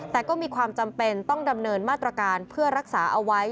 แต่ก็มีความจำเป็นต้องดำเนินมาตรการเพื่อรักษาเอาไว้